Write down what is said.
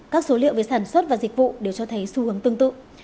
các số liệu về sản xuất và dịch vụ đều cho thấy xu hướng tương tự